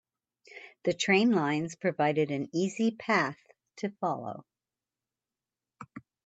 The train lines provided an easy path to follow.